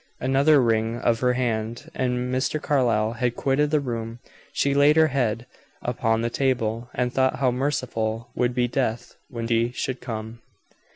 Another wring of her hand, and Mr. Carlyle had quitted the room. She laid her head upon the table, and thought how merciful would be death when he should come.